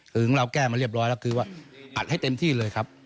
คือเราก็แก้มาเรียบร้อยคืออดให้เต็มที่เลยครับ